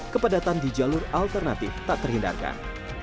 kepadatan di jalur alternatif tak terhindarkan